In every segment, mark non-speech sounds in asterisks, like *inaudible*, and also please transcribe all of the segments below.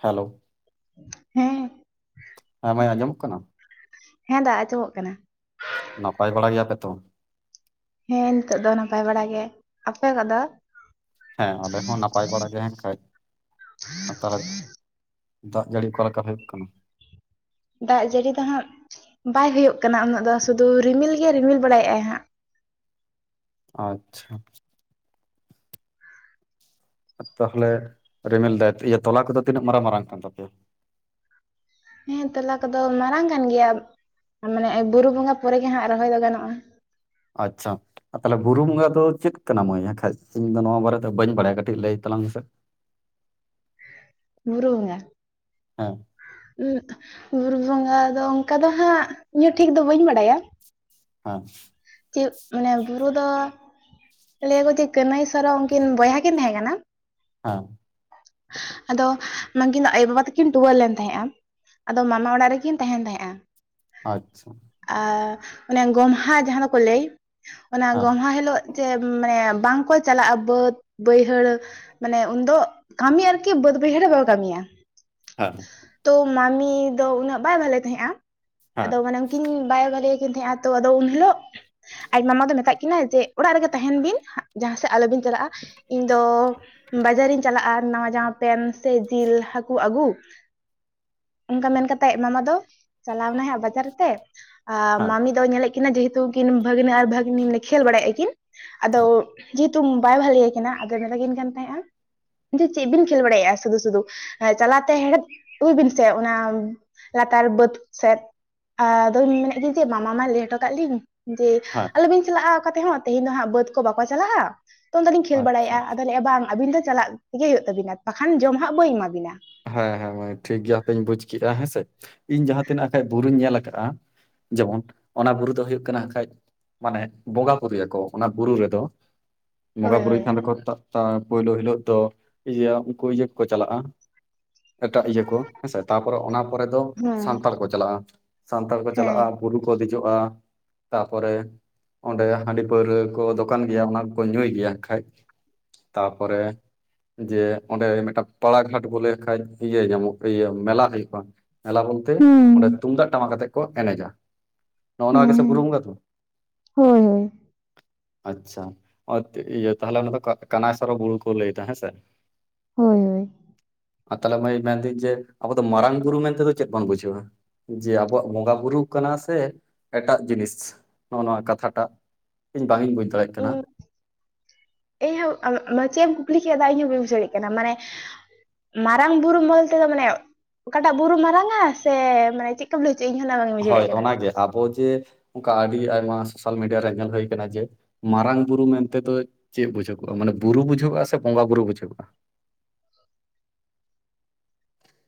Hello ᱦᱮᱸ᱾ ᱦᱮᱸ ᱢᱟᱭ ᱟᱸᱡᱚᱢᱚᱜ ᱠᱟᱱᱟ? ᱦᱮᱸ ᱫᱟ ᱟᱸᱡᱚᱢᱚᱜ ᱠᱟᱱᱟ᱾ ᱱᱟᱯᱟᱭ ᱵᱟᱲᱟ ᱜᱮᱭᱟᱯᱮ ᱛᱚ? ᱦᱮᱸ ᱱᱤᱛᱚᱜ ᱫᱚ ᱱᱟᱯᱟᱭ ᱵᱟᱲᱟ ᱜᱮ ᱾ ᱟᱯᱮ ᱠᱚᱫᱚ? ᱦᱮᱸ ᱟᱞᱮ ᱦᱚᱸ ᱱᱟᱯᱟᱭ ᱵᱟᱲᱟ ᱜᱮ ᱦᱮᱱ ᱠᱷᱟᱡ᱾ ᱟᱨ ᱛᱟᱦᱞᱮᱫ ᱫᱟᱜ ᱡᱟᱹᱲᱤ ᱚᱠᱟᱞᱮᱠᱟ ᱦᱩᱭᱩᱜ ᱠᱟᱱᱟ? ᱫᱟᱜ ᱡᱟᱹᱲᱤ ᱫᱚ ᱦᱟᱸᱜ ᱵᱟᱭ ᱦᱩᱭᱩᱜ ᱠᱟᱱᱟ ᱩᱱᱟᱹᱜ ᱫᱚ ᱥᱩᱫᱩ ᱨᱤᱢᱤᱞ ᱜᱮᱭ ᱨᱤᱢᱤᱞ ᱵᱟᱲᱟᱭᱮᱜᱼᱟᱭ ᱦᱟᱸᱜ᱾ ᱟᱪᱪᱷᱟ᱾ ᱛᱟᱦᱞᱮ ᱨᱤᱢᱤᱞ ᱫᱟᱭ, ᱤᱭᱟᱹ ᱛᱚᱞᱟ ᱠᱚᱫᱚ ᱛᱤᱱᱟᱹᱜ ᱢᱟᱨᱟᱝ ᱢᱟᱨᱟᱝ ᱠᱟᱱ ᱛᱟᱯᱮᱭᱟ? ᱦᱮᱸ ᱛᱮᱞᱟ ᱠᱚᱫᱚ ᱢᱟᱨᱟᱝ ᱠᱟᱱ ᱜᱮᱭᱟ ᱢᱟᱱᱮ ᱵᱩᱨᱩ ᱵᱚᱸᱜᱟ ᱯᱚᱨᱮ ᱜᱮ ᱦᱟᱸᱜ ᱨᱚᱦᱚᱭ ᱫᱚ ᱜᱟᱱᱚᱜᱼᱟ᱾ ᱟᱪᱪᱷᱟ᱾ ᱟᱨ ᱛᱟᱦᱞᱮ ᱵᱩᱨᱩ ᱵᱚᱸᱜᱟ ᱫᱚ ᱪᱮᱫ ᱠᱟᱱᱟ ᱢᱟᱹᱭ ᱦᱟᱸᱠᱷᱟᱡ ᱤᱧ ᱫᱚ ᱱᱚᱣᱟ ᱵᱟᱨᱮᱛᱮ ᱵᱟᱹᱧ ᱵᱟᱲᱟᱭᱟ ᱠᱟᱹᱴᱤᱡ ᱞᱟᱹᱭ ᱛᱟᱞᱟᱝ ᱢᱮᱥᱮ? ᱵᱩᱨᱩ ᱵᱚᱸᱜᱟ᱾ ᱦᱮᱸ᱾ ᱵᱩᱨᱩ ᱵᱚᱸᱜᱟ ᱫᱚ ᱚᱱᱠᱟ ᱫᱚ ᱦᱟᱸᱜ ᱤᱧ ᱦᱚ ᱴᱷᱤᱠ ᱫᱚ ᱵᱟᱹᱧ ᱵᱟᱰᱟᱭᱟ᱾ ᱦᱮᱸ᱾ ᱪᱮᱫ ᱢᱟᱱᱮ ᱵᱩᱨᱩ ᱫᱚ ᱞᱟᱹᱭᱟ ᱠᱚ ᱡᱮ ᱠᱟᱹᱱᱟᱹᱭ ᱥᱚᱨᱚ ᱩᱱᱠᱤᱱ ᱵᱚᱭᱦᱟ ᱠᱤᱱ ᱛᱟᱦᱮᱸ ᱠᱟᱱᱟ᱾ ᱦᱮᱸ᱾ ᱟᱫᱚ ᱱᱟᱝᱠᱤᱱ ᱫᱚ ᱟᱭᱳ-ᱵᱟᱵᱟ ᱛᱟᱹᱠᱤᱱ ᱴᱩᱣᱟᱹᱨ ᱞᱮᱱ ᱛᱟᱦᱮᱸᱜᱼᱟ᱾ ᱟᱫᱚ ᱢᱟᱢᱟ ᱚᱲᱟᱜ ᱨᱮᱠᱤᱱ ᱛᱟᱦᱮᱱ ᱛᱟᱦᱮᱸᱜᱼᱟ᱾ ᱟᱪᱪᱷᱟ᱾ ᱟᱨ ᱚᱱᱮ ᱜᱚᱢᱦᱟ ᱡᱟᱦᱟᱸ ᱫᱚᱠᱚ ᱞᱟᱹᱭ ᱚᱱᱟ ᱦᱮᱸ ᱜᱚᱢᱦᱟ ᱦᱤᱞᱳᱜ ᱡᱮ ᱢᱟᱱᱮ ᱵᱟᱝᱠᱚ ᱪᱟᱞᱟᱜᱼᱟ ᱵᱟᱹᱫᱽ ᱵᱟᱹᱭᱦᱟᱹᱲ ᱢᱟᱱᱮ ᱩᱱᱫᱚ ᱠᱟᱹᱢᱤ ᱟᱨᱠᱤ ᱵᱟᱹᱫ ᱵᱟᱹᱭᱦᱟᱹᱲ ᱨᱮ ᱵᱟᱠᱚ ᱠᱟᱹᱢᱤᱭᱟ᱾ ᱦᱮᱸ᱾ ᱛᱚ ᱢᱟᱢᱤ ᱫᱚ ᱩᱱᱟᱹᱜ ᱵᱟᱭ ᱵᱷᱟᱞᱮ ᱛᱟᱦᱮᱸᱜᱼᱟ ᱦᱮᱸ ᱟᱫᱚ ᱢᱟᱱᱮ ᱠᱤᱱ ᱵᱟᱭ ᱵᱷᱟᱞᱮᱭᱟ ᱠᱤᱱ ᱛᱟᱦᱮᱸᱜᱼᱟ ᱛᱚ ᱟᱫᱚ ᱦᱤᱞᱳᱜ ᱟᱡ ᱢᱟᱢᱟ ᱫᱚ ᱢᱮᱛᱟᱜ ᱠᱤᱱᱟᱹ ᱡᱮ ᱚᱲᱟᱜ ᱨᱮᱜᱮ ᱛᱟᱦᱮᱱ ᱵᱤᱱ ᱡᱟᱦᱟᱸ ᱥᱮᱫ ᱟᱞᱚᱵᱤᱱ ᱪᱟᱞᱟᱜᱼᱟ ᱤᱧ ᱫᱚ ᱵᱟᱡᱟᱨᱤᱧ ᱪᱟᱞᱟᱜᱼᱟ ᱱᱟᱣᱟ ᱡᱟᱢᱟ ᱯᱮᱱ ᱥᱮ ᱡᱤᱞ ᱦᱟᱠᱩ ᱟᱜᱩ᱾ ᱚᱱᱠᱟ ᱢᱮᱱ ᱠᱟᱛᱮᱜ ᱢᱟᱢᱟ ᱫᱚ ᱪᱟᱞᱟᱣᱱᱟᱭ ᱦᱟᱸᱜ ᱵᱟᱡᱟᱨ ᱛᱮ᱾ ᱦᱮᱸ ᱢᱟᱢᱤ ᱫᱚᱭ ᱧᱮᱞᱮᱜ ᱠᱤᱱᱟ ᱡᱮᱦᱮᱛᱩ ᱩᱱᱠᱤᱱ ᱵᱷᱟᱹᱜᱽᱱᱟᱹ ᱟᱨ ᱵᱷᱟᱹᱜᱽᱱᱤ ᱢᱟᱱᱮ ᱠᱷᱮᱞ ᱵᱟᱲᱟᱭᱮᱜᱼᱟ ᱠᱤᱱ᱾ ᱟᱫᱚ ᱡᱮᱦᱮᱛᱩ ᱵᱟᱭ ᱵᱷᱟᱹᱞᱮᱭᱟ ᱠᱤᱱᱟ ᱟᱫᱚᱭ ᱢᱮᱛᱟ ᱠᱤᱱ ᱠᱟᱱ ᱛᱟᱦᱮᱸᱜᱼᱟ ᱪᱮᱫ ᱵᱤᱱ ᱠᱷᱮᱞ ᱵᱟᱲᱟᱭᱮᱜᱼᱟ ᱥᱩᱫᱷᱩ ᱥᱩᱫᱷᱩ ᱪᱟᱞᱟᱜ ᱛᱮ ᱦᱮᱲᱦᱮᱫ ᱟᱹᱜᱩᱭ ᱵᱤᱱ ᱥᱮ ᱚᱱᱟ ᱞᱟᱛᱟᱨ ᱵᱟᱹᱫ ᱥᱮᱫ ᱟᱫᱚ ᱢᱮᱱᱮᱫ ᱠᱤᱱ ᱡᱮ ᱢᱟᱢᱟ ᱢᱟᱭ ᱞᱟᱹᱭ ᱦᱚᱴᱚ ᱟᱠᱟᱜ ᱞᱤᱧ ᱡᱮ ᱦᱮᱸ ᱟᱞᱚᱵᱤᱱ ᱪᱟᱞᱟᱜᱼᱟ ᱚᱠᱟ ᱛᱮᱦᱚᱸ ᱛᱮᱦᱮᱧ ᱫᱚ ᱦᱟᱸᱜ ᱵᱟᱹᱫ ᱠᱚ ᱵᱟᱠᱚ ᱪᱟᱞᱟᱜᱼᱟ᱾ ᱛᱚ ᱩᱱᱫᱚ ᱞᱤᱧ ᱠᱷᱮᱞ ᱟᱪᱪᱷᱟ ᱵᱟᱲᱟᱭᱮᱜᱼᱟ ᱟᱫᱚ ᱞᱟᱹᱭᱮᱜᱼᱟ ᱵᱟᱝ ᱟᱹᱵᱤᱱ ᱫᱚ ᱪᱟᱞᱟᱜ ᱛᱮᱜᱮ ᱦᱩᱭᱩᱜ ᱛᱟᱹᱵᱤᱱᱟ ᱵᱟᱠᱷᱟᱱ ᱡᱚᱢ ᱦᱟᱸᱜ ᱵᱟᱹᱧ ᱮᱢᱟᱵᱤᱱᱟ᱾ ᱦᱮᱸ ᱦᱮᱸ ᱢᱟᱹᱭ ᱴᱷᱤᱠ ᱜᱮᱭᱟ ᱦᱟᱯᱮᱧ ᱵᱩᱡᱽ ᱠᱮᱜᱼᱟ ᱦᱮᱸᱥᱮ, ᱤᱧ ᱡᱟᱦᱟᱸᱛᱤᱱᱟᱹᱜ ᱦᱟᱸᱜ ᱠᱷᱟᱡ ᱵᱩᱨᱩᱧ ᱧᱮᱞ ᱟᱠᱟᱜᱼᱟ᱾ ᱡᱮᱢᱚᱱ ᱚᱱᱟ ᱵᱩᱨᱩ ᱫᱚ ᱦᱩᱭᱩᱜ ᱠᱟᱱᱟ ᱦᱟᱸᱜ ᱠᱷᱟᱡ ᱢᱟᱱᱮ ᱵᱚᱸᱜᱟ ᱯᱩᱨᱤᱜᱼᱟᱠᱚ ᱚᱱᱟ ᱵᱩᱨᱩ ᱨᱮᱫᱚ᱾ ᱵᱚᱸᱜᱟ ᱦᱳᱭ ᱯᱩᱨᱤᱜ ᱦᱳᱭ ᱠᱷᱟᱱ ᱫᱚᱠᱚ ᱥᱮᱛᱟᱜ ᱥᱮᱛᱟᱜ ᱯᱳᱭᱞᱳ ᱦᱤᱞᱳᱜ ᱫᱚ ᱤᱭᱟᱹ ᱩᱱᱠᱩ ᱤᱭᱟᱹ ᱠᱚᱠᱚ ᱪᱟᱞᱟᱜᱼᱟ᱾ ᱮᱴᱟᱜ ᱤᱭᱟᱹ ᱠᱚ ᱦᱮᱸᱥᱮ ᱛᱟᱯᱚᱨᱮ ᱚᱱᱟ ᱯᱚᱨᱮ ᱫᱚ ᱦᱮᱸ ᱥᱟᱱᱛᱟᱲ ᱠᱚ ᱪᱟᱞᱟᱜᱼᱟ, ᱥᱟᱱᱛᱟᱲ ᱠᱚ ᱦᱮᱸ ᱪᱟᱞᱟᱜᱼᱟ ᱵᱩᱨᱩ ᱠᱚ ᱫᱮᱡᱚᱜᱼᱟ᱾ ᱛᱟᱯᱚᱨᱮ ᱚᱸᱰᱮ ᱦᱟᱺᱰᱤ ᱯᱟᱹᱣᱨᱟᱹ ᱠᱚ ᱫᱚᱠᱟᱱ ᱜᱮᱭᱟ ᱚᱱᱟ ᱠᱚᱠᱚ ᱧᱩᱭ ᱜᱮᱭᱟ ᱦᱟᱸᱜ ᱠᱷᱟᱡ᱾ ᱛᱟᱯᱚᱨᱮ ᱡᱮ ᱚᱸᱰᱮ ᱢᱤᱫᱴᱟᱝ ᱯᱟᱲᱟᱜᱷᱟᱴ ᱵᱚᱞᱮ ᱠᱷᱟᱡ ᱤᱭᱟᱹ ᱧᱟᱢᱚᱜ ᱤᱭᱟᱹ ᱢᱮᱞᱟ ᱦᱩᱭᱩᱜᱼᱟ ᱾ ᱢᱮᱞᱟ ᱵᱚᱞᱛᱮ ᱚᱸᱰᱮ ᱛᱩᱢᱫᱟᱜ ᱴᱟᱢᱟᱠ ᱟᱛᱮ ᱠᱚ ᱮᱱᱮᱡᱟ ᱾ ᱱᱚᱜ-ᱱᱚᱣᱟ ᱜᱮᱥᱮ ᱵᱩᱨᱩ ᱦᱮᱸ, ᱵᱚᱸᱜᱟ ᱫᱚ? ᱦᱳᱭ, ᱦᱳᱭ, ᱟᱪᱪᱷᱟ *inaudible* ᱤᱭᱟᱹ ᱛᱟᱦᱞᱮ ᱚᱱᱟ ᱫᱚ ᱠᱟᱱᱟᱭᱥᱟᱨᱚ ᱵᱩᱨᱩ ᱠᱚ ᱞᱟᱹᱭ ᱫᱟ ᱦᱮᱸ ᱥᱮ? ᱦᱳᱭ ᱦᱳᱭ, ᱟᱨ ᱛᱟᱦᱞᱮ ᱢᱟᱹᱭ ᱢᱮᱱᱫᱟᱹᱧ ᱡᱮ ᱟᱵᱚ ᱫᱚ ᱢᱟᱨᱟᱝ ᱵᱩᱨᱩ ᱢᱮᱱᱛᱮᱫᱚ ᱪᱮᱫ ᱵᱚᱱ ᱵᱩᱡᱷᱟᱹᱣᱟ? ᱡᱮ ᱟᱵᱚᱣᱟᱜ ᱵᱚᱸᱜᱟ ᱵᱩᱨᱩ ᱠᱟᱱᱟ ᱥᱮ ᱮᱴᱟᱜ ᱡᱤᱱᱤᱥ ᱱᱚᱜᱼ ᱱᱚᱣᱟ ᱠᱟᱛᱷᱟᱴᱟᱜ? ᱤᱧ ᱵᱟᱝ ᱤᱧ ᱵᱩᱡᱽ ᱫᱟᱲᱮᱭᱟᱜ ᱠᱟᱱᱟ ᱾ ᱤᱧᱦᱳ ᱟᱢ ᱪᱮᱫ ᱮᱢ ᱠᱩᱠᱞᱤ ᱠᱮᱫᱟ ᱫᱟ ᱤᱧ ᱦᱚᱸ ᱵᱟᱹᱧ ᱵᱩᱡᱟᱹᱣ ᱨᱮᱜ ᱠᱟᱱᱟ ᱢᱟᱱᱮ ᱢᱟᱨᱟᱝ ᱵᱩᱨᱩ ᱢᱚᱞ ᱛᱮᱫᱚ ᱢᱟᱱᱮ ᱚᱠᱟᱴᱟᱜ ᱵᱩᱨᱩ ᱢᱟᱨᱟᱝᱟ ᱥᱮ ᱢᱟᱱᱮ ᱪᱤᱜ ᱠᱟᱢ ᱞᱟᱹᱭ ᱦᱚᱪᱚ ᱤᱧ ᱦᱚᱸ ᱞᱟᱦᱟ ᱵᱟᱧ ᱵᱩᱡᱷᱟᱣᱮᱫ ᱦᱳᱭ ᱠᱟᱱᱟᱢ ᱾ ᱚᱱᱟᱜᱮ ᱟᱵᱚ ᱡᱮ ᱚᱱᱠᱟ ᱟᱹᱰᱤ ᱟᱭᱢᱟ ᱥᱳᱥᱟᱞ ᱢᱤᱰᱤᱭᱟ ᱨᱮ ᱧᱮᱞ ᱦᱩᱭ ᱠᱟᱱᱟ ᱡᱮ ᱢᱟᱨᱟᱝ ᱵᱩᱨᱩ ᱢᱮᱱᱛᱮᱫᱚ ᱪᱮᱜ ᱵᱩᱡᱷᱟᱹᱜᱚᱜᱼᱟ, ᱢᱟᱱᱮ ᱵᱩᱨᱩ ᱵᱩᱡᱷᱟᱹᱜᱼᱟ ᱥᱮ ᱵᱚᱸᱜᱟ ᱵᱩᱨᱩ ᱵᱩᱡᱷᱟᱹᱜᱚᱜᱼᱟ?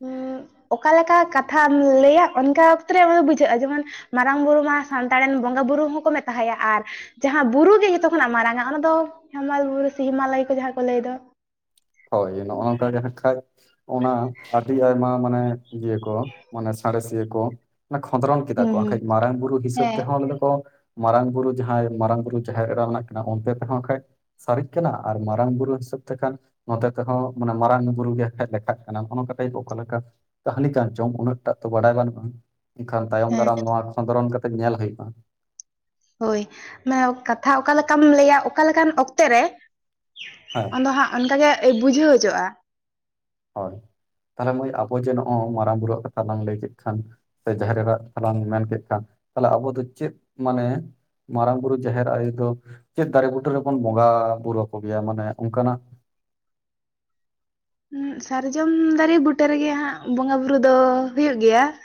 ᱦᱩᱸᱜ ᱚᱠᱟᱞᱮᱠᱟ ᱠᱟᱛᱷᱟᱢ ᱞᱟᱹᱭᱟ ᱚᱱᱠᱟ ᱚᱠᱛᱚ ᱨᱮ ᱢᱟᱱᱮ ᱫᱚ ᱵᱩᱡᱷᱟᱹᱜᱼᱟ ᱡᱮᱢᱚᱱ ᱢᱟᱨᱟᱝ ᱵᱩᱨᱩ ᱢᱟ ᱥᱟᱱᱛᱟᱲ ᱨᱮᱱ ᱵᱚᱸᱜᱟᱼ ᱵᱩᱨᱩ ᱦᱚᱸᱠᱚ ᱢᱮᱛᱟᱭᱟ ᱟᱨ ᱡᱟᱦᱟᱸ ᱵᱩᱨᱩ ᱜᱮ ᱡᱚᱛᱚ ᱠᱷᱚᱱᱟᱜ ᱢᱟᱨᱟᱝᱟ ᱚᱱᱟ ᱫᱚ ᱦᱮᱢᱟᱞ ᱵᱩᱨᱩ ᱥᱮ ᱦᱮᱢᱟᱞᱚᱭ ᱠᱚ ᱡᱟᱦᱟᱸ ᱠᱚ ᱞᱟᱹᱭ ᱫᱚ ᱾ ᱦᱳᱭ ᱱᱚᱜᱼᱚ ᱱᱚᱝᱠᱟ ᱜᱮ ᱦᱟᱸᱜ ᱠᱷᱟᱡ ᱚᱱᱟ ᱟᱹᱰᱤ ᱟᱭᱢᱟ ᱢᱟᱱᱮ ᱤᱭᱟᱹ ᱠᱚ ᱢᱟᱱᱮ ᱥᱟᱬᱮᱥᱤᱭᱟᱹ ᱠᱚ ᱾ ᱠᱷᱚᱸᱫᱽᱨᱚᱱ ᱠᱮᱫᱟ ᱠᱚ ᱟᱠᱷᱟᱡ ᱦᱩᱸ᱾ ᱢᱟᱨᱟᱝ ᱵᱩᱨᱩ ᱦᱤᱥᱟᱹᱵ ᱦᱮᱸ, ᱛᱮᱦᱚᱸ ᱞᱟᱹᱭ ᱫᱟᱠᱚ ᱢᱟᱨᱟᱝ ᱵᱩᱨᱩ ᱡᱟᱦᱟᱸᱭ ᱢᱟᱨᱟᱝ ᱵᱩᱨᱩ ᱡᱟᱦᱮᱨ ᱮᱨᱟ ᱢᱮᱱᱟᱜ ᱠᱤᱱᱟ ᱚᱱᱛᱮ ᱛᱮᱦᱚᱸ ᱟᱠᱷᱟᱱᱡ ᱥᱟᱨᱤᱜ ᱠᱟᱱᱟ ᱟᱨ ᱢᱟᱨᱟᱝ ᱵᱩᱨᱩ ᱦᱤᱥᱟᱹᱵ ᱛᱮᱠᱷᱟᱱ ᱱᱚᱛᱮ ᱛᱮᱦᱚᱸ ᱢᱟᱱᱮ ᱢᱟᱨᱟᱝ ᱵᱩᱨᱩ ᱜᱮ ᱦᱮᱡ ᱠᱷᱟᱡ ᱞᱮᱠᱷᱟᱜ ᱠᱟᱱᱟ ᱦᱚᱜ ᱱᱟ ᱱᱚᱝᱠᱟ ᱴᱟᱭᱤᱯ ᱚᱠᱟ ᱞᱮᱠᱟ? ᱠᱟᱹᱦᱱᱤ ᱠᱟᱱ ᱪᱚᱝ ᱩᱱᱟᱹᱜ ᱴᱟᱜ ᱛᱚ ᱵᱟᱰᱟᱭ ᱵᱟᱹᱱᱩᱜᱼᱟ, ᱮᱱᱠᱷᱟᱱ ᱛᱟᱭᱚᱢ ᱦᱮᱸ, ᱫᱟᱨᱟᱢ ᱱᱚᱣᱟ ᱠᱷᱚᱸᱫᱽᱨᱚᱱ ᱠᱟᱛᱮᱜ ᱧᱮᱞ ᱦᱳᱭᱳᱜᱼᱟ ᱾ ᱦᱳᱭ ᱢᱮᱭᱚᱠ ᱠᱟᱛᱷᱟ ᱚᱠᱟᱞᱮᱠᱟᱢ ᱞᱟᱹᱭᱟ ᱚᱠᱟᱞᱮᱠᱟᱱ ᱚᱠᱛᱮ ᱨᱮ ᱦᱮᱸ ᱟᱫᱚ ᱦᱟᱸᱜ ᱚᱱᱠᱟᱜᱮ *inaudible* ᱵᱩᱡᱷᱟᱹᱣ ᱦᱚᱪᱚᱜᱼᱟ ᱾ ᱦᱳᱭ ᱛᱟᱞᱦᱮ ᱢᱟᱹᱭ ᱟᱵᱚ ᱡᱮ ᱱᱚᱜᱼᱚᱭ ᱢᱟᱨᱟᱝ ᱵᱩᱨᱩᱣᱟᱜ ᱠᱟᱛᱷᱟ ᱞᱟᱝ ᱞᱟᱹᱭ ᱠᱮᱫ ᱠᱷᱟᱱ ᱥᱮ ᱡᱟᱦᱮᱨᱮᱨᱟ ᱟᱜ ᱠᱟᱛᱷᱟ ᱞᱟᱝ ᱢᱮᱱ ᱠᱮᱫ ᱠᱷᱟᱱ ᱛᱟᱦᱞᱮ ᱟᱵᱚ ᱫᱚ ᱪᱮᱫ ᱢᱟᱱᱮ ᱢᱟᱨᱟᱝ ᱵᱩᱨᱩ ᱡᱟᱦᱮᱨ ᱟᱭᱳ ᱫᱚ ᱪᱮᱫ ᱫᱟᱨᱮ ᱵᱩᱴᱟᱹ ᱨᱮᱵᱚᱱ ᱵᱚᱸᱜᱟ ᱵᱩᱨᱩ ᱟᱠᱚᱜᱮᱭᱟ ᱢᱟᱱᱮ ᱚᱱᱠᱟᱱᱟᱜ ᱥᱟᱨᱡᱚᱢ ᱫᱟᱨᱮ ᱵᱩᱴᱟᱹ ᱨᱮᱜᱮ ᱦᱟᱸᱜ ᱵᱚᱸᱜᱟ ᱵᱩᱨᱩ ᱫᱚ ᱦᱩᱭᱩᱜ ᱜᱮᱭᱟ ᱾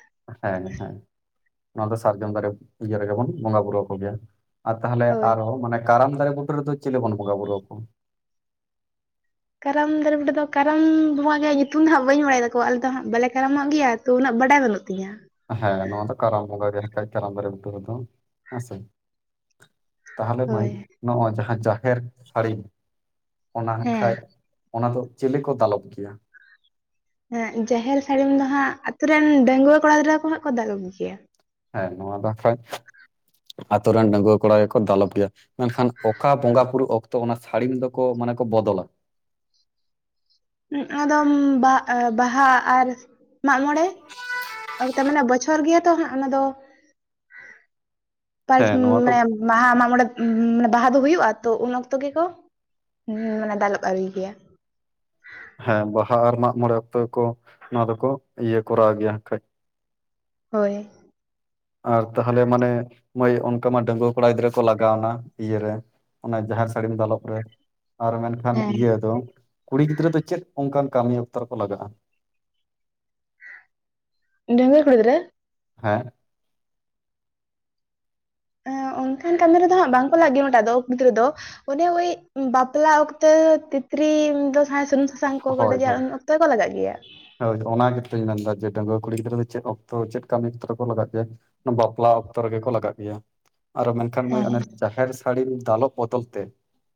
ᱦᱮᱸ ᱦᱮᱸ ᱱᱚᱣᱟ ᱫᱚ ᱥᱟᱨᱡᱚᱢ ᱫᱟᱨᱮ ᱤᱭᱟᱹ ᱨᱮᱜᱮ ᱵᱚᱱ ᱵᱚᱸᱜᱟ ᱵᱩᱨᱩ ᱟᱠᱚ ᱜᱮᱭᱟ ᱾ ᱟᱨ ᱛᱟᱦᱟᱞᱮ ᱦᱳᱭ ᱟᱨᱦᱚᱸ ᱢᱟᱱᱮ ᱠᱟᱨᱟᱢ ᱫᱟᱨᱮ ᱵᱩᱴᱟᱹ ᱨᱮᱫᱚ ᱪᱮᱞᱮ ᱵᱚᱱ ᱵᱚᱸᱜᱟᱼ ᱵᱩᱨᱩ ᱟᱠᱚ? ᱠᱟᱨᱟᱢ ᱫᱟᱨᱮ ᱵᱩᱴᱟᱹ ᱫᱚ ᱠᱟᱨᱟᱢ ᱵᱚᱸᱜᱟ ᱜᱮ ᱧᱩᱛᱩᱢ ᱫᱚ ᱦᱟᱸᱜ ᱵᱟᱹᱧ ᱵᱟᱲᱟᱭ ᱛᱟᱠᱚᱣᱟ ᱟᱞᱮ ᱫᱚ ᱦᱟᱸᱜ ᱵᱟᱞᱮ ᱠᱟᱨᱟᱢᱚᱜ ᱜᱮᱭᱟ ᱾ ᱛᱚ ᱩᱱᱟᱹᱜ ᱵᱟᱰᱟᱭ ᱵᱟᱹᱱᱩᱜ ᱛᱤᱧᱟᱹ ᱾ ᱦᱮᱸ ᱱᱚᱣᱟ ᱫᱚ ᱠᱟᱨᱟᱢ ᱵᱚᱸᱜᱟ ᱜᱮ ᱦᱮᱸᱜ ᱠᱷᱟᱡ ᱠᱟᱨᱟᱢ ᱫᱟᱨᱮ ᱵᱩᱴᱟᱹ ᱨᱮᱫᱚ ᱦᱮᱸᱥᱮ ᱾ ᱛᱟᱦᱟᱞᱮ ᱢᱟᱹᱭ ᱦᱳᱭ ᱱᱚᱣᱟ ᱡᱟᱦᱟᱸ ᱡᱟᱦᱮᱨ ᱥᱟᱹᱲᱤᱢ ᱚᱱᱟ ᱟᱸᱠᱷᱟᱡ ᱚᱱᱟ ᱫᱚ ᱪᱮᱞᱮ ᱠᱚ ᱫᱟᱞᱚᱵ ᱜᱮᱭᱟ? ᱦᱮᱸ ᱡᱟᱦᱮᱨ ᱥᱟᱹᱲᱤᱢ ᱫᱚ ᱦᱟᱸᱜ ᱟᱹᱛᱩ ᱨᱮᱱ ᱰᱟᱺᱜᱩᱣᱟᱹ ᱠᱚᱲᱟ ᱜᱤᱫᱽᱨᱟᱹ ᱠᱚ ᱦᱟᱸᱜ ᱠᱚ ᱫᱟᱞᱚᱵ ᱜᱮᱭᱟ ᱾ ᱦᱮᱸ ᱱᱚᱣᱟ ᱫᱚ ᱟᱠᱷᱟᱡ ᱟᱛᱳ ᱨᱮᱱ ᱰᱟᱺᱜᱩᱣᱟᱹ ᱠᱚᱲᱟ ᱜᱮᱠᱚ ᱫᱟᱞᱚᱵ ᱜᱮᱭᱟ ᱾ ᱢᱮᱱᱠᱷᱟᱱ ᱚᱠᱟ ᱵᱚᱸᱜᱟ ᱯᱩᱲᱩ ᱚᱠᱛᱚ ᱚᱱᱟ ᱥᱟᱹᱲᱤᱢ ᱫᱚᱠᱚ ᱢᱟᱱᱮ ᱠᱚ ᱵᱚᱫᱚᱞᱟ? ᱚᱱᱚᱫᱚᱢ ᱵᱟᱜ ᱟᱸ ᱵᱟᱦᱟ ᱟᱨ ᱢᱟᱜᱽᱢᱚᱬᱮ ᱾ ᱟᱫᱚ ᱛᱟᱢᱟᱱᱮ ᱵᱚᱪᱷᱚᱨ ᱜᱮᱭᱟ ᱛᱚ ᱦᱟᱸᱜ ᱚᱱᱟ ᱫᱚ ᱯᱟᱞ ᱦᱮᱸ ᱱᱚᱣᱟ ᱫᱚ ᱢᱟᱱᱮ ᱵᱟᱦᱟ ᱢᱟᱜᱽ ᱢᱚᱬᱮ ᱵᱟᱦᱟ ᱫᱚ ᱦᱩᱭᱩᱜᱼᱟ ᱛᱚ ᱩᱱ ᱚᱠᱛᱚ ᱜᱮᱠᱚ *inaudible* ᱢᱟᱱᱮ ᱫᱟᱞᱚᱵ ᱟᱲᱤᱭ ᱜᱮᱭᱟ ᱾ ᱦᱮᱸ ᱵᱟᱦᱟ ᱟᱨ ᱢᱟᱜᱽ ᱢᱚᱬᱮ ᱚᱠᱛᱚ ᱜᱮᱠᱚ ᱱᱚᱣᱟ ᱫᱚᱠᱚ ᱤᱭᱟᱹ ᱠᱚᱨᱟᱣ ᱜᱮᱭᱟ ᱟᱠᱷᱟᱡ ᱾ ᱦᱳᱭ᱾ ᱟᱨ ᱛᱟᱦᱟᱞᱮ ᱢᱟᱱᱮ ᱢᱟᱹᱭ ᱚᱱᱠᱟ ᱢᱟ ᱰᱟᱺᱜᱩᱣᱟᱹ ᱠᱚᱲᱟ ᱜᱤᱫᱽᱨᱟᱹ ᱠᱚ ᱞᱟᱜᱟᱣᱱᱟ ᱤᱭᱟᱹᱨᱮ᱾ ᱚᱱᱟ ᱡᱟᱦᱮᱨ ᱥᱟᱹᱲᱤᱢ ᱫᱟᱞᱚᱵ ᱨᱮ ᱟᱨ ᱢᱮᱱᱠᱷᱟᱱ ᱠᱷᱟᱱ ᱦᱮᱸ ᱤᱭᱟᱹ ᱫᱚ ᱠᱩᱲᱤ ᱜᱤᱫᱽᱨᱟᱹ ᱫᱚ ᱪᱮᱫ ᱚᱱᱠᱟᱱ ᱠᱟᱹᱢᱤ ᱚᱠᱛᱚ ᱨᱮᱠᱚ ᱞᱟᱜᱟᱜᱼᱟ? ᱰᱟᱺᱜᱩᱣᱟᱹ ᱠᱩᱲᱤ ᱜᱤᱫᱨᱟᱹ᱾ ᱦᱮᱸ᱾ ᱚᱱᱠᱟᱱ ᱠᱟᱹᱢᱤ ᱨᱮᱫᱚ ᱦᱟᱜ ᱵᱟᱝ ᱠᱚ *unintelligible* ᱫᱚ ᱠᱩᱲᱤ ᱜᱤᱫᱽᱨᱟᱹ ᱫᱚ᱾ ᱚᱱᱮ ᱳᱭ ᱵᱟᱯᱞᱟ ᱚᱠᱛᱚ ᱛᱤᱛᱨᱤ ᱫᱚ *unintelligible* ᱥᱩᱱᱩᱢ ᱥᱟᱥᱟᱝ ᱠᱚ ᱦᱳᱭ ᱜᱚᱰᱚᱡᱟ ᱦᱳᱭ ᱩᱱ ᱚᱠᱛᱚ ᱠᱚ ᱞᱟᱜᱟᱜ ᱜᱮᱭᱟ᱾ ᱦᱳᱭ ᱚᱱᱟ ᱜᱮᱛᱚᱧ ᱢᱮᱱᱫᱟ ᱡᱮ ᱰᱟᱺᱜᱩᱣᱟᱹ ᱠᱩᱲᱤ ᱜᱤᱫᱽᱨᱟᱹ ᱫᱚ ᱪᱮᱫ ᱚᱠᱛᱚ ᱪᱮᱫ ᱠᱟᱹᱢᱤ ᱠᱷᱮᱛ ᱨᱮ ᱠᱚ ᱞᱟᱜ ᱜᱮᱭᱟ? ᱵᱟᱯᱞᱟ ᱚᱠᱛᱚ ᱨᱮᱜᱮ ᱠᱚ ᱞᱟᱜᱟᱜ ᱜᱮᱭᱟ, ᱟᱨᱚ ᱢᱮᱱᱠᱷᱟᱱ ᱢᱟᱹᱭ ᱦᱮᱸ ᱚᱱᱮ ᱡᱟᱦᱮᱨ ᱥᱟᱹᱲᱤᱢ ᱫᱟᱞᱚᱵ ᱵᱚᱫᱚᱞ ᱛᱮ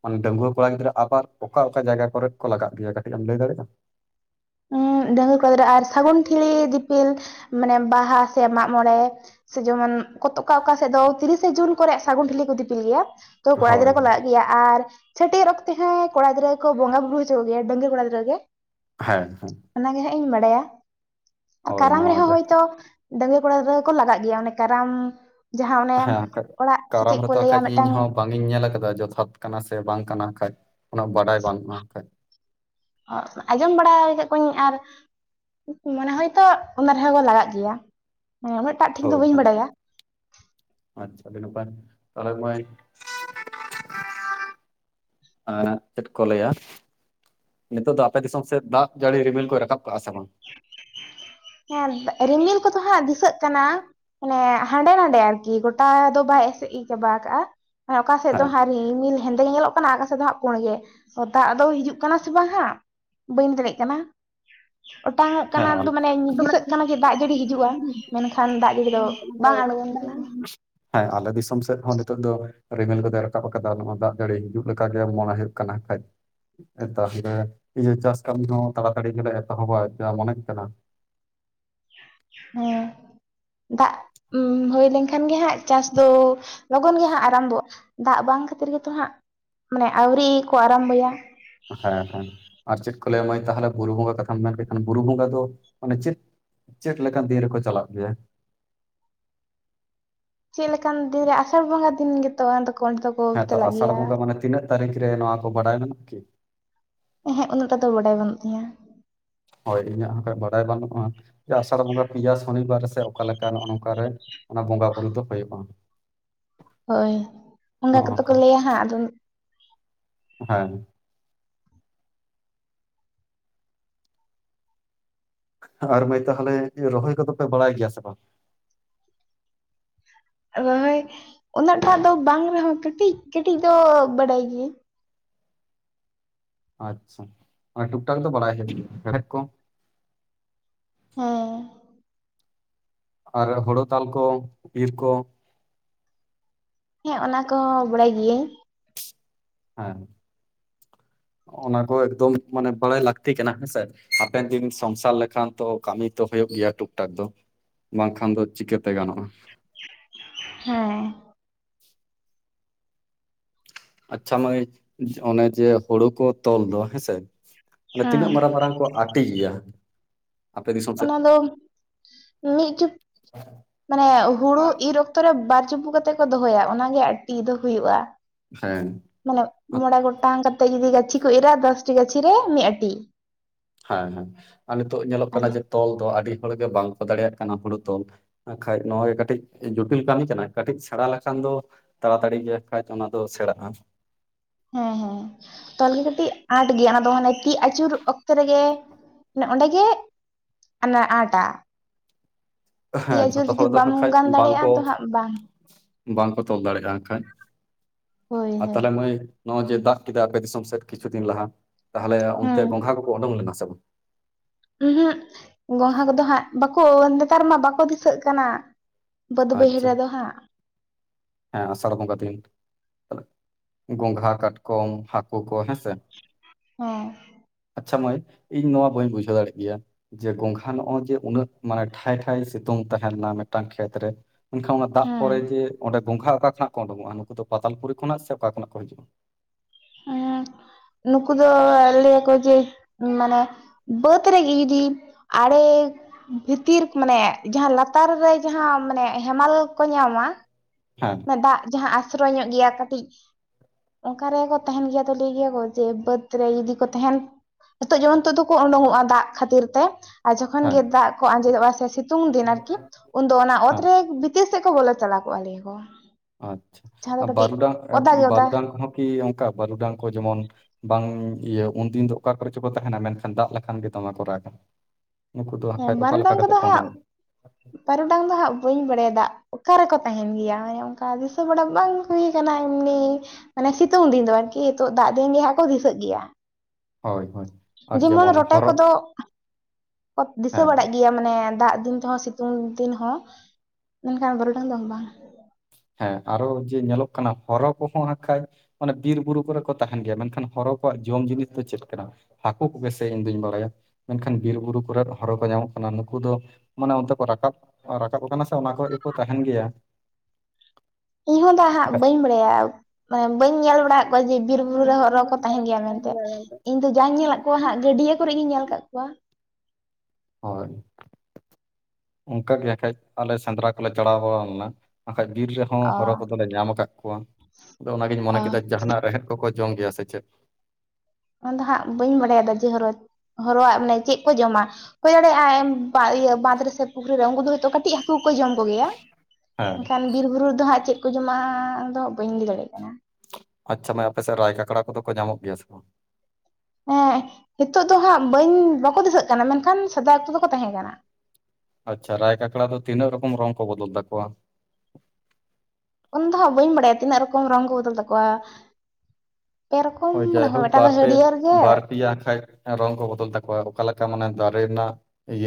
ᱢᱟᱱᱮ ᱰᱟᱺᱜᱣᱟᱹ ᱠᱚᱲᱟ ᱜᱤᱫᱽᱨᱟᱹ ᱟᱵᱟᱨ ᱚᱠᱟ ᱚᱠᱟ ᱡᱟᱭᱜᱟ ᱠᱚᱨᱮ ᱠᱚ ᱞᱟᱜᱟᱜ ᱜᱮᱭᱟ ᱠᱟᱹᱴᱤᱡ ᱮᱢ ᱞᱟᱹᱭ ᱫᱟᱲᱮᱭᱟᱜᱼᱟ᱾ ᱟᱨ ᱥᱟᱹᱜᱩᱱ ᱴᱷᱤᱞᱤ ᱫᱤᱯᱤᱞ ᱢᱟᱱᱮ ᱵᱟᱦᱟ ᱥᱮ ᱢᱟᱜ ᱢᱚᱬᱮ ᱥᱮ ᱡᱮᱢᱚᱱ ᱠᱚ ᱚᱠᱟ ᱚᱠᱟ ᱥᱮᱫ ᱫᱚ ᱛᱤᱨᱤ ᱥᱮ ᱡᱩᱱ ᱠᱚᱨᱮ ᱥᱟᱹᱜᱩᱱ ᱴᱷᱤᱞᱤ ᱠᱚ ᱫᱤᱯᱤᱞ ᱜᱮᱭᱟ ᱛᱚ ᱠᱚᱲᱟ ᱦᱳᱭ ᱜᱤᱫᱽᱨᱟᱹ ᱠᱚ ᱞᱟᱜ ᱜᱮᱭᱟ ᱟᱨ ᱪᱷᱟᱹᱴᱭᱟᱹᱨ ᱚᱠᱛᱮ ᱦᱚᱸ ᱠᱚᱲᱟ ᱜᱤᱫᱽᱨᱟᱹ ᱠᱚ ᱵᱚᱸᱜᱟ ᱵᱩᱨᱩ ᱦᱚᱪᱚ ᱠᱚ ᱜᱮᱭᱟ ᱰᱟᱹᱜᱩᱣᱟᱹ ᱠᱚᱲᱟ ᱜᱤᱫᱽᱨᱟᱹ ᱜᱮ᱾ ᱦᱮᱸ᱾ ᱚᱱᱟᱜᱮ ᱦᱟᱸᱜ ᱤᱧ ᱵᱟᱲᱟᱭᱟ ᱟᱨ ᱦᱳᱭ ᱠᱟᱨᱟᱢ ᱱᱚᱣᱟ ᱨᱮᱦᱚᱸ ᱜᱮ ᱦᱳᱭ ᱛᱳ ᱰᱟᱹᱜᱩᱣᱟᱹ ᱠᱚᱲᱟ ᱜᱤᱫᱽᱨᱟᱹ ᱠᱚ ᱞᱟᱜᱟᱜ ᱜᱮᱭᱟ ᱚᱱᱮ ᱠᱟᱨᱟᱢ ᱡᱟᱦᱟᱸ ᱚᱱᱮ ᱦᱮᱸ ᱚᱲᱟᱜ ᱥᱮ ᱪᱮᱫ ᱠᱚ ᱞᱟᱹᱭᱟ ᱢᱤᱫ ᱴᱟᱝ ᱩᱱᱤᱧ ᱧᱮᱞ ᱟᱠᱟᱫᱟ ᱡᱚᱛᱷᱟᱛ ᱠᱟᱱᱟ ᱥᱮ ᱵᱟᱝ ᱠᱟᱱᱟ ᱠᱷᱟᱡ ᱩᱱᱟᱹᱜ ᱵᱟᱰᱟᱭ ᱵᱟᱹᱱᱩᱜᱼᱟ ᱠᱷᱟᱡ᱾ ᱟᱸᱡᱚᱢ ᱵᱟᱲᱟ ᱠᱟᱜ ᱠᱚᱣᱟᱧ ᱟᱨ ᱢᱚᱱᱮ ᱦᱚᱭᱛᱚ ᱚᱱᱟ ᱨᱮᱦᱚᱸ ᱠᱚ ᱞᱟᱜᱟᱜ ᱜᱮᱭᱟ᱾ ᱴᱟᱜ ᱴᱷᱤᱠ ᱫᱚ ᱦᱳᱭ, ᱵᱟᱹᱧ ᱦᱳᱭ᱾ ᱵᱟᱰᱟᱭᱟ ᱟᱪᱪᱷᱟ ᱟᱹᱰᱤ ᱱᱟᱯᱟᱭ᱾ ᱮ ᱪᱮᱫ ᱠᱚ ᱞᱟᱹᱭᱟ ᱱᱤᱛᱚᱜ ᱫᱚ ᱟᱯᱮ ᱫᱤᱥᱚᱢ ᱥᱮᱫ ᱫᱟᱜ ᱡᱟᱹᱲᱤ ᱨᱤᱢᱤᱞ ᱠᱚ ᱨᱟᱠᱟᱵ ᱠᱟᱜᱼᱟ ᱥᱮ ᱵᱟᱝ? ᱦᱮᱸ ᱨᱤᱢᱤᱞ ᱠᱚᱫᱚ ᱦᱟᱸᱜ ᱫᱤᱥᱟᱹᱜ ᱠᱟᱱᱟ᱾ ᱢᱟᱱᱮ ᱦᱟᱸᱰᱮ ᱱᱟᱰᱮ ᱟᱨᱠᱤ ᱜᱚᱴᱟ ᱫᱚ ᱵᱟᱭ ᱮᱥᱮᱫ ᱪᱟᱵᱟ ᱠᱟᱜᱼᱟ᱾ ᱚᱠᱟ ᱥᱮᱫ ᱫᱚ ᱦᱮᱸ ᱦᱟᱜ ᱨᱤᱢᱤᱞ ᱦᱮᱸᱫᱮ ᱜᱮ ᱧᱮᱞᱚᱜ ᱠᱟᱱᱟ ᱟᱠᱟ ᱥᱮᱫ ᱫᱚ ᱦᱟᱸᱜ ᱯᱩᱸᱲ ᱜᱮ, ᱫᱟᱜ ᱫᱚ ᱦᱤᱡᱩᱜ ᱠᱟᱱᱟ ᱥᱮ ᱵᱟᱝ ᱦᱟᱜ ᱵᱟᱹᱧ ᱫᱟᱲᱮ ᱭᱟᱜ ᱠᱟᱱᱟ᱾ ᱚᱴᱟᱝ-ᱚᱜ ᱠᱟᱱᱟ ᱦᱮᱸ ᱫᱚ ᱟᱞᱮ ᱢᱟᱱᱮ ᱫᱤᱥᱟᱹᱜ ᱠᱟᱱᱟ ᱡᱮ ᱫᱟᱜ ᱡᱟᱹᱲᱤ ᱦᱤᱡᱩᱜᱼᱟ᱾ ᱢᱮᱱᱠᱷᱟᱱ ᱫᱟᱜ ᱡᱟᱲᱤ ᱫᱚ ᱵᱟᱝ ᱟᱬᱜᱚᱱ ᱠᱟᱱᱟ᱾ ᱦᱮᱸ ᱟᱞᱮ ᱫᱤᱥᱚᱢ ᱥᱮᱫ ᱦᱚᱸ ᱱᱤᱛᱚᱜ ᱫᱚ ᱨᱤᱢᱤᱞ ᱠᱚᱫᱚᱭ ᱨᱟᱠᱟᱵ ᱠᱟᱫᱟ ᱱᱚᱜ-ᱚᱭ ᱫᱟᱜ ᱡᱟᱹᱲᱤ ᱦᱤᱡᱩᱜ ᱞᱮᱠᱟ ᱜᱮ ᱢᱚᱱᱮ ᱦᱩᱭᱩᱜ ᱠᱟᱱᱟ ᱠᱷᱟᱡ ᱛᱟᱦᱚᱞᱮ ᱪᱟᱥ ᱠᱟᱹᱢᱤ ᱦᱚᱸ ᱛᱟᱲᱟ-ᱛᱟᱲᱤ ᱜᱮᱞᱮ ᱮᱛᱚ ᱦᱚᱵᱟ᱾ ᱡᱟ ᱢᱚᱱᱮᱜ ᱠᱟᱱᱟ᱾ ᱦᱮᱸ ᱫᱟᱜ ᱦᱩᱭ ᱞᱮᱱᱠᱷᱟᱱ ᱜᱮ ᱦᱟᱜ ᱪᱟᱥ ᱫᱚ ᱞᱚᱜᱚᱱ ᱜᱮ ᱦᱟᱸᱜ ᱟᱨᱟᱢ ᱵᱚᱜᱼᱟ ᱫᱟᱜ ᱵᱟᱝ ᱠᱷᱟᱹᱛᱤᱨ ᱜᱮᱛᱚ ᱦᱟᱸᱜ ᱢᱟᱱᱮ ᱟᱹᱣᱨᱤ ᱠᱚ ᱟᱨᱟᱢ ᱵᱚᱭᱟ᱾ ᱦᱮᱸ ᱦᱮᱸ ᱟᱨ ᱪᱮᱫ ᱠᱚ ᱞᱟᱹᱭᱟᱹ ᱢᱟᱹᱭ ᱛᱟᱦᱚᱞᱮ ᱵᱩᱨᱩ ᱵᱚᱸᱜᱟ ᱠᱟᱛᱷᱟᱢ ᱢᱮᱱ ᱠᱮᱫᱠᱷᱟᱱ ᱵᱩᱨᱩ ᱵᱚᱸᱜᱟ ᱫᱚ ᱢᱟᱱᱮ ᱪᱮᱫ? ᱪᱮᱫ ᱞᱮᱠᱟᱱ ᱫᱤᱱ ᱨᱮᱠᱚ ᱪᱟᱞᱟᱜ ᱜᱮᱭᱟ? ᱪᱮᱫ ᱞᱮᱠᱟᱱ ᱫᱤᱱᱨᱮ ᱟᱥᱟᱲ ᱵᱚᱸᱜᱟ ᱫᱤᱱ ᱜᱮᱛᱚ ᱫᱚᱠᱚ ᱦᱮᱸ ᱛᱚ ᱪᱟᱞᱟᱜ ᱟᱥᱟᱲ ᱜᱮᱭᱟ ᱵᱚᱸᱜᱟ ᱢᱟᱱᱮ ᱛᱤᱱᱟᱹᱜ ᱛᱟᱹᱨᱤᱠᱷ ᱨᱮ ᱱᱚᱣᱟ ᱠᱚ ᱵᱟᱰᱟᱭ ᱢᱮᱱᱟᱜᱼᱟ ᱠᱤ? ᱮᱦᱮᱜᱸ ᱩᱱᱟᱹᱜ ᱴᱟᱜ ᱫᱚ ᱵᱟᱰᱟᱭ ᱵᱟᱹᱱᱩᱜ ᱛᱤᱧᱟᱹ᱾ ᱦᱳᱭ ᱤᱧᱟᱹᱜ ᱦᱚᱸ ᱠᱷᱟᱡ ᱵᱟᱰᱟᱭ ᱵᱟᱹᱱᱩᱜᱼᱟ ᱟᱥᱟᱲ ᱵᱚᱸᱜᱟ ᱯᱮᱭᱟ ᱥᱚᱱᱤ ᱵᱟᱨ ᱥᱮ ᱚᱠᱟ ᱞᱮᱠᱟ ᱱᱚᱜᱼᱚ ᱱᱚᱝᱠᱟ ᱨᱮ ᱚᱱᱟ ᱵᱚᱸᱜᱟᱼᱵᱩᱨᱩ ᱫᱚ ᱦᱩᱭᱩᱜᱼᱟᱲ᱾ ᱦᱳᱭ ᱚᱱᱟ ᱠᱚᱫᱚ ᱠᱚ ᱞᱟᱹᱭᱟ ᱦᱟᱸᱜ ᱟᱫᱚ ᱦᱮ ᱟᱨ ᱢᱟᱹᱭ ᱛᱟᱦᱚᱞᱮ ᱨᱚᱦᱚᱭ ᱠᱚᱫᱚ ᱯᱮ ᱵᱟᱲᱟᱭ ᱜᱮᱭᱟ ᱥᱮ ᱵᱟᱝ ᱨᱚᱦᱚᱭ ᱩᱱᱟᱹᱜ ᱴᱟᱜ ᱫᱚ ᱵᱟᱝ ᱨᱮᱦᱚᱸ ᱠᱟᱹᱴᱤᱡ ᱠᱟᱹᱴᱤᱡ ᱫᱚ ᱵᱟᱰᱟᱭ ᱜᱮᱭᱟᱹᱧ ᱟᱪᱪᱷᱟ ᱚᱱᱮ ᱴᱩᱠ ᱴᱟᱠ ᱫᱚ ᱵᱟᱲᱟᱭ ᱦᱮᱲᱮᱫ ᱠᱚ ᱦᱮᱸ ᱟᱨ ᱦᱳᱲᱳ ᱛᱟᱞ ᱠᱚ ᱤᱨ ᱠᱚ ᱦᱮᱸ ᱚᱱᱟ ᱠᱚᱦᱚᱸ ᱵᱟᱲᱟᱭ ᱜᱤᱭᱟᱹᱧ ᱦᱮᱸ ᱚᱱᱟ ᱠᱚ ᱮᱠᱫᱚᱢ ᱢᱟᱱᱮ ᱵᱟᱲᱟᱭ ᱞᱟᱹᱠᱛᱤ ᱠᱟᱱᱟ ᱦᱮᱸᱥᱮ ᱦᱟᱯᱮᱱ ᱫᱤᱱ ᱥᱚᱝᱥᱟᱨ ᱞᱮᱠᱷᱟᱱ ᱛᱚ ᱠᱟᱹᱢᱤ ᱛᱚ ᱦᱩᱭᱩᱜ ᱜᱮᱭᱟ ᱴᱩᱠ ᱴᱟᱠ ᱫᱚ ᱵᱟᱝᱠᱷᱟᱱ ᱫᱚ ᱪᱤᱠᱟᱹᱛᱮ ᱜᱟᱱᱚᱜᱼᱟ ᱦᱮᱸ ᱟᱪᱪᱷᱟ ᱢᱟᱹᱭ ᱚᱱᱮ ᱡᱮ ᱦᱩᱲᱩ ᱠᱚ ᱛᱚᱞ ᱫᱚ ᱦᱮᱸᱥᱮ ᱢᱟᱱᱮ ᱦᱮᱸ ᱛᱤᱱᱟᱹᱜ ᱢᱟᱨᱟᱝ ᱢᱟᱨᱟᱝ ᱠᱚ ᱟᱴᱤ ᱜᱮᱭᱟ ᱟᱯᱮ ᱫᱤᱥᱚᱢ ᱥᱮᱫ ᱚᱱᱟ ᱫᱚ ᱢᱤᱫᱪᱩ ᱢᱟᱱᱮ ᱦᱩᱲᱩ ᱤᱨ ᱚᱠᱛᱚ ᱚᱠᱛᱚ ᱨᱮ ᱵᱟᱨ ᱪᱩᱯᱩ ᱠᱟᱛᱮ ᱠᱚ ᱫᱚᱦᱚᱭᱟ ᱚᱱᱟᱜᱮ ᱟᱴᱤ ᱫᱚ ᱦᱩᱭᱩᱜᱼᱟ ᱦᱮᱸ ᱢᱟᱱᱮ ᱦᱮᱸ ᱢᱚᱲᱮ ᱜᱚᱴᱟᱝ ᱠᱟᱛᱮ ᱡᱚᱫᱤ ᱜᱟᱪᱷᱤ ᱠᱚ ᱤᱨᱟ ᱫᱚᱥ ᱦᱮᱸ ᱦᱮᱸ ᱟᱨ ᱱᱤᱛᱳᱜ ᱧᱮᱞᱚᱜ ᱠᱟᱱᱟ ᱟᱞᱮ ᱡᱮ ᱛᱚᱞ ᱫᱚ ᱟᱹᱰᱤ ᱦᱚᱲᱜ ᱵᱟᱝ ᱠᱚ ᱫᱟᱲᱮᱭᱟᱜ ᱠᱟᱱᱟ ᱦᱳᱲᱳ ᱛᱚᱞ ᱱᱟᱜ ᱠᱷᱟᱡ ᱱᱚᱣᱟ ᱜᱮ ᱠᱟᱹᱴᱤᱡ ᱡᱚᱴᱤᱞ ᱠᱟᱹᱢᱤ ᱠᱟᱱᱟ ᱠᱟᱹᱴᱤᱡ ᱥᱮᱬᱟ ᱞᱮᱠᱷᱟᱱ ᱫᱚ ᱛᱟᱲᱟᱛᱟᱹᱲᱤ ᱜᱮ ᱠᱷᱟᱡ ᱚᱱᱟ ᱫᱚ ᱥᱮᱬᱟᱜᱼᱟ ᱦᱮᱸ ᱦᱮᱸ ᱛᱚᱞ ᱜᱮ ᱠᱟᱹᱴᱤᱡ ᱟᱸᱴ ᱜᱮᱭᱟ ᱚᱱᱟ ᱫᱚ ᱦᱟᱱᱮ ᱛᱤ ᱟᱹᱪᱩᱨ ᱚᱠᱛᱮ ᱨᱮᱜᱮ ᱢᱟᱱᱮ ᱚᱸᱰᱮᱜᱮ ᱟᱱᱟ ᱟᱴᱟ ᱦᱮᱸ ᱡᱷᱚᱛᱚ ᱦᱚᱲ ᱫᱚ ᱵᱟᱢ ᱦᱟᱸ ᱠᱷᱟᱡ ᱜᱟᱱ ᱵᱟᱝᱠᱚ ᱫᱟᱲᱮᱭᱟᱜᱼᱟ ᱛᱚ ᱦᱟᱸᱜ ᱵᱟᱝ ᱵᱟᱝᱠᱚ ᱛᱚᱞ ᱫᱟᱲᱮᱭᱟᱜ ᱦᱟᱜ ᱠᱷᱟᱱ ᱦᱳᱭ ᱟᱨ ᱦᱳᱭ ᱛᱟᱦᱚᱞᱮ ᱢᱟᱹᱭ ᱱᱚᱜᱚᱭ ᱡᱮ ᱫᱟᱜ ᱠᱮᱫᱟ ᱟᱯᱮ ᱫᱤᱥᱚᱢ ᱥᱮᱫ ᱠᱤᱪᱷᱩ ᱫᱤᱱ ᱞᱟᱦᱟ ᱛᱟᱦᱚᱞᱮ ᱚᱱᱛᱮ ᱦᱮᱸ ᱜᱚᱝᱜᱷᱟ ᱠᱚᱠᱚ ᱩᱰᱩᱠ ᱞᱮᱱᱟ ᱥᱮ ᱵᱟᱝ ᱩᱸ ᱦᱩᱸ ᱜᱚᱢᱦᱟ ᱠᱚᱫᱚ ᱦᱟᱸᱜ ᱵᱟᱠᱚ ᱱᱮᱛᱟᱨ ᱢᱟ ᱵᱟᱠᱚ ᱫᱤᱥᱟᱹᱜ ᱠᱟᱱᱟ ᱵᱚᱫᱽ ᱵᱟᱹᱭ ᱦᱟᱹᱲ ᱟᱪᱪᱷᱟ ᱨᱮ ᱫᱚ ᱦᱟᱸᱜ ᱦᱮᱸ ᱟᱥᱟᱲ ᱵᱚᱝᱜᱟ ᱫᱤᱱ ᱜᱚᱝᱜᱷᱟ ᱠᱟᱴᱠᱚᱢ ᱦᱟᱹᱠᱩ ᱠᱚ ᱦᱮᱸᱥᱮ ᱦᱮᱸ ᱟᱪᱪᱷᱟ ᱢᱟᱹᱭ ᱤᱧ ᱱᱚᱣᱟ ᱵᱟᱹᱧ ᱵᱩᱡᱷᱟᱹᱣ ᱫᱟᱲᱮᱜ ᱜᱮᱭᱟ ᱡᱮ ᱜᱚᱝᱜᱷᱟ ᱱᱚᱜᱼᱚᱭ ᱡᱮ ᱩᱱᱟᱹᱜ ᱢᱟᱱᱮ ᱴᱷᱟᱭᱭ ᱴᱷᱟᱭ ᱥᱤᱛᱩᱝ ᱛᱟᱦᱮᱸ ᱞᱮᱱᱟ ᱢᱤᱫᱴᱟᱱ ᱠᱷᱮᱛᱨᱮ ᱢᱮᱱᱱᱠᱷᱟᱱ ᱚᱱᱟ ᱫᱟᱜ ᱦᱮᱸ ᱯᱚᱨᱮ ᱡᱮ ᱚᱸᱰᱮ ᱵᱚᱸᱜᱷᱟ ᱚᱠᱟ ᱠᱷᱚᱱᱟᱜ ᱠᱚ ᱩᱰᱩᱠᱚᱜᱼᱟ ᱱᱩᱠᱩ ᱫᱚ ᱯᱟᱛᱟᱞᱯᱩᱨᱤ ᱠᱷᱚᱱᱟᱜ ᱥᱮ ᱚᱠᱟ ᱠᱷᱚᱱᱟᱜ ᱠᱚ ᱦᱤᱡᱩᱜᱼᱟ ᱦᱮᱸ *inaudible* ᱱᱩᱠᱩ ᱫᱚ ᱞᱟᱹᱭᱟᱠᱚ ᱡᱮ ᱢᱟᱱᱮ ᱵᱟᱹᱫᱽ ᱨᱮᱜᱮ ᱡᱩᱫᱤ ᱟᱲᱮ ᱵᱷᱤᱛᱤᱨ ᱢᱟᱱᱮ ᱡᱟᱦᱟᱸ ᱞᱟᱛᱟᱨ ᱨᱮ ᱡᱟᱦᱟᱸ ᱢᱟᱱᱮ ᱦᱮᱢᱟᱞ ᱠᱚ ᱧᱟᱢᱟ ᱦᱮᱸ ᱚᱱᱟ ᱫᱟᱜ ᱡᱟᱦᱟᱸ ᱟᱥᱨᱚᱭ ᱧᱚᱜ ᱜᱮᱭᱟ ᱠᱟᱹᱴᱤᱡ ᱚᱱᱠᱟ ᱨᱮᱜᱮᱠᱚ ᱛᱟᱦᱮᱱ ᱜᱮᱭᱟ ᱛ ᱞᱟᱹᱭ ᱜᱮᱭᱟ ᱠᱚ ᱡᱮ ᱵᱟᱹᱫ ᱨᱮ ᱤᱫᱤ ᱠᱚ ᱛᱟᱦᱮᱱ ᱱᱤᱛᱚᱜ ᱡᱮᱢᱚᱱ ᱱᱤᱛᱚᱜ ᱫᱚᱠᱚ ᱩᱰᱩᱠᱚᱜᱼᱟ ᱫᱟᱜ ᱠᱷᱟᱹᱛᱤᱨ ᱛᱮ ᱟᱨ ᱡᱚᱠᱷᱚᱱ ᱦᱮᱸ ᱜᱮ ᱫᱟᱜ ᱠᱚ ᱟᱸᱡᱮᱫᱚᱜᱼᱟ ᱥᱮ ᱥᱤᱛᱩᱝ ᱫᱤᱱ ᱟᱨᱠᱤ ᱩᱱᱫᱚ ᱚᱱᱟ ᱦᱮᱸ ᱚᱛᱨᱮ ᱛᱤ ᱥᱮᱫ ᱠᱚ ᱵᱚᱞᱚ ᱪᱟᱞᱟᱣ ᱠᱚᱜᱼᱟ ᱞᱟ. ᱭᱟᱠᱳ ᱟᱪᱪᱷᱟ ᱵᱟᱨᱩᱰᱟᱝ ᱚᱫᱟ ᱜᱮ ᱚᱫᱟ ᱵᱟᱨᱩᱰᱟᱝ ᱠᱚᱦᱚᱸ ᱠᱤ ᱚᱱᱠᱟ ᱵᱟᱹᱨᱩᱰᱟᱝ ᱠᱚ ᱡᱮᱢᱚᱱ ᱵᱟᱝ ᱤᱭᱟᱹ ᱩᱱᱫᱤᱱ ᱫᱚ ᱚᱠᱟ ᱠᱚᱨᱮ ᱪᱚᱠᱚ ᱛᱟᱦᱮᱱᱟ ᱢᱮᱱᱠᱷᱟᱱ ᱫᱟᱜ ᱞᱮᱠᱷᱟᱱ ᱜᱮ ᱫᱚᱢᱮ ᱠᱚ ᱨᱟᱜᱟ᱾ ᱩᱱᱠᱩ ᱫᱚ ᱵᱟᱠᱷᱟᱡ ᱚᱠᱟ ᱞᱮᱠᱟ ᱠᱟ ᱠᱟᱛᱮᱮᱫ ᱠᱚ ᱩᱰᱩᱠᱚᱜᱼᱟ᱾ ᱵᱟᱨᱚᱚᱴᱟᱝ ᱫᱚ ᱦᱟᱸᱜ ᱵᱟᱹᱧ ᱵᱟᱲᱟᱭᱟ ᱫᱟᱜ ᱚᱠᱟᱨᱮᱠᱚ ᱛᱟᱦᱮᱱ ᱜᱮᱭᱟ ᱚᱱᱮ ᱚᱱᱠᱟ ᱫᱤᱥᱟᱹ ᱵᱟᱲᱟ ᱵᱟᱝ ᱦᱩᱭ ᱠᱟᱱᱟ ᱮᱢᱱᱤ ᱢᱟᱱᱮ ᱥᱤᱛᱩᱝ ᱫᱤᱱ ᱫᱚ ᱟᱨᱠᱤ ᱱᱤᱛᱚᱜ ᱫᱟᱜ ᱫᱤᱱ ᱜᱮ ᱦᱟᱸᱜ ᱠᱚ ᱫᱤᱥᱟᱹᱜ ᱜᱮᱭᱟ ᱦᱳᱭ ᱦᱳᱭ ᱟᱨ ᱡᱮᱢᱚᱱ ᱨᱚᱴᱮ ᱦᱚᱨᱚᱜ ᱠᱚᱫᱚ ᱫᱤᱥᱟᱹ ᱦᱮᱸ ᱵᱟᱲᱟᱜ ᱜᱮᱭᱟ ᱢᱟᱱᱮ ᱫᱟᱜ ᱫᱤᱱ ᱛᱮᱦ ᱥᱤᱛᱩᱝ ᱫᱤᱱ ᱦᱚᱸ ᱢᱮᱱᱠᱷᱟᱱ ᱵᱚᱨᱰᱟᱝ ᱫᱚ ᱵᱟᱝ ᱦᱮᱸ ᱟᱨᱚ ᱡᱮ ᱧᱮᱞᱚᱜ ᱠᱟᱱᱟ ᱦᱚᱨᱚ ᱠᱚᱦᱚᱸ ᱦᱟᱠᱷᱟᱡ ᱚᱱᱮ ᱵᱤᱨ ᱵᱩᱨᱩ ᱠᱚᱨᱮ ᱠᱚ ᱛᱟᱦᱮᱱ ᱜᱮᱭᱟ ᱢᱮᱱᱠᱷᱟᱱ ᱦᱚᱨᱚ ᱠᱚᱣᱟᱜ ᱡᱚᱢ ᱡᱤᱱᱤᱥ ᱫᱚ ᱪᱮᱫ ᱠᱟᱱᱟ᱾ ᱦᱟᱹᱠᱩ ᱠᱚᱜᱮᱥᱮ ᱤᱧ ᱫᱩᱧ ᱵᱟᱲᱟᱭᱟ᱾ ᱢᱮᱱᱠᱷᱟᱱ ᱵᱤᱨᱵᱩᱨᱩ ᱠᱚᱨᱮᱫ ᱦᱚᱨᱚ ᱠᱚ ᱧᱟᱢᱚᱜ ᱠᱟᱱᱟ ᱱᱩᱠᱩ ᱫᱚ ᱢᱟᱱᱮ ᱚᱱᱛᱮ ᱠᱚ ᱨᱟᱠᱟᱵ ᱨᱟᱠᱟᱵ ᱟᱠᱟᱱᱟ ᱥᱮ ᱚᱱᱟ ᱠᱚᱨᱮᱜ ᱜᱮᱠᱚ ᱛᱟᱦᱮᱱ ᱜᱮᱭᱟ᱾ ᱤᱧ ᱦᱚᱸ ᱫᱟ ᱦᱟᱸᱜ ᱵᱟᱹᱧ ᱵᱟᱲᱟᱭᱟ ᱵᱟᱹᱧ ᱧᱮᱞ ᱵᱟᱲᱟᱫ ᱠᱚᱣᱟ ᱡᱮ ᱵᱤᱨ ᱵᱩᱨᱩ ᱨᱮᱦᱚᱸ ᱨᱚ ᱠᱚ ᱛᱟᱦᱮᱱ ᱜᱮᱭᱟ ᱢᱮᱱᱛᱮ ᱤᱧ ᱫᱚ ᱡᱟᱧ ᱧᱮᱞᱫ ᱠᱚᱣᱟ ᱦᱟᱸᱜ ᱜᱟᱹᱰᱭᱟᱹ ᱠᱚᱨᱮ ᱜᱤᱧ ᱧᱮᱞ ᱟᱠᱟᱫ ᱠᱚᱣᱟ ᱦᱳᱭ ᱚᱱᱠᱟ ᱜᱮᱠᱷᱟᱡ ᱟᱞᱮ ᱥᱮᱸᱫᱽᱨᱟ ᱠᱚᱞᱮ ᱪᱟᱲᱟᱣ ᱵᱟᱲᱟᱞᱮᱱᱟ ᱵᱟᱠᱷᱟᱡ ᱵᱤᱨ ᱨᱮ ᱦᱚᱸ ᱚ ᱦᱚᱨᱚ ᱠᱚᱫᱚᱞᱮ ᱧᱟᱢ ᱟᱠᱟᱫ ᱠᱚᱣᱟ ᱟᱫᱚ ᱚᱱᱟᱜᱤᱧ ᱢᱚᱱᱮ ᱚ ᱠᱮᱫᱟ ᱡᱟᱦᱟᱱᱟᱜ ᱨᱮᱦᱮᱫ ᱠᱚᱠᱚ ᱡᱚᱢ ᱜᱮᱭᱟ ᱥᱮ ᱪᱮᱫ᱾ ᱚᱱᱟᱫᱚ ᱦᱟᱸᱜ ᱵᱟᱹᱧ ᱵᱟᱲᱟᱭᱫᱟ ᱡᱮ ᱦᱚᱨ ᱦᱚᱨᱚᱣᱟᱜ ᱢᱟᱱᱮ ᱪᱮᱫ ᱠᱚ ᱡᱚᱢᱟ ᱚᱭ ᱫᱟᱲᱮᱭᱟᱜᱼᱟ ᱮᱢ ᱤᱭᱟᱹ ᱵᱟᱸᱫᱷ ᱨᱮ ᱥᱮ ᱯᱩᱠᱷᱨᱤ ᱨᱮ ᱩᱱᱠᱩ ᱫᱚ ᱡᱷᱚᱛᱳ ᱠᱟᱹᱴᱤᱡ ᱦᱟᱹᱠᱩ ᱠᱚ ᱡᱚᱢ ᱠᱚᱜᱮᱭᱟ ᱦᱮᱸ ᱮᱱᱠᱷᱟᱱ ᱵᱤᱨ ᱵᱩᱨᱩ ᱫᱚ ᱦᱟᱸᱜ ᱪᱮᱫ ᱠᱚ ᱡᱚᱢᱟᱜ ᱫᱚ ᱵᱟᱹᱧ ᱞᱟᱹᱭ ᱫᱟᱲᱮᱭᱟᱜ ᱠᱟᱱᱟ ᱟᱪᱪᱷᱟ ᱢᱟᱹᱭ ᱟᱯᱮ ᱥᱮᱫ ᱨᱟᱭ ᱠᱟᱠᱲᱟ ᱠᱚᱫᱚ ᱠᱚ ᱧᱟᱢᱚᱜ ᱜᱮᱭᱟ ᱥᱮ ᱵᱟᱝ᱾ ᱦᱮᱸ ᱱᱤᱛᱚᱜ ᱫᱚ ᱦᱟᱸᱜ ᱵᱟᱹᱧ ᱵᱟᱠᱚ ᱫᱤᱥᱟᱹᱜ ᱠᱟᱱᱟ ᱢᱮᱱᱠᱷᱟᱱ ᱥᱮᱫᱟᱭ ᱚᱠᱛᱚ ᱫᱚᱠᱚ ᱛᱟᱦᱮᱸ ᱠᱟᱱᱟ ᱟᱪᱪᱷᱟ ᱨᱟᱭ ᱠᱟᱠᱲᱟ ᱫᱚ ᱛᱤᱱᱟᱹᱜ ᱨᱚᱠᱚᱢ ᱨᱚᱝ ᱠᱚ ᱵᱚᱫᱚᱞ ᱛᱟᱠᱚᱣᱟ᱾ ᱚᱱᱟ ᱫᱚ ᱦᱟᱸᱜ ᱵᱟᱹᱧ ᱵᱟᱲᱟᱭᱟ ᱛᱤᱱᱟᱹᱜ ᱨᱚᱠᱚᱢ ᱨᱚᱝ ᱠᱚ ᱵᱚᱫᱚᱞ ᱛᱟᱠᱚᱣᱟ ᱯᱮ ᱨᱚᱠᱚᱢ ᱦᱩᱭ ᱢᱟᱱᱮ ᱡᱟᱭ ᱦᱚᱸ ᱦᱳᱠ ᱢᱤᱫᱴᱟᱝ ᱵᱟᱨ ᱫᱚ ᱯᱮ ᱦᱟᱹᱨᱭᱟᱹᱲ ᱜᱮ ᱵᱟᱨ ᱯᱮᱭᱟ ᱠᱷᱟᱡ ᱨᱚᱝ ᱠᱚ ᱵᱚᱫᱚᱞ ᱛᱟᱠᱚᱣᱟ ᱚᱠᱟᱞᱮᱠᱟ ᱢᱟᱱᱮ ᱫᱟᱨᱮ ᱨᱮᱱᱟᱜ ᱤᱭᱟᱹ